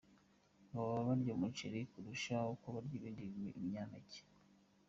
Ngo baba barya umuceri kurusha uko barya ibindi binyampeke.